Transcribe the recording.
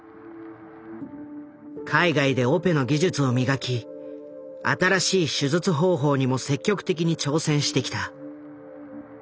海外でオペの技術を磨き新しい手術方法にも積極的に挑戦してきた。